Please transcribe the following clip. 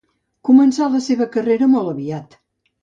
Començà la seva carrera molt aviat.